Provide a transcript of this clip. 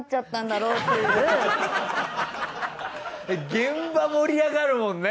現場盛り上がるもんね！